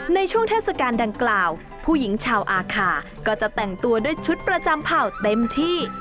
ในช่วงเทศกาลดังกล่าวผู้หญิงชาวอาคาก็จะแต่งตัวด้วยชุดประจำเผ่าเต็มที่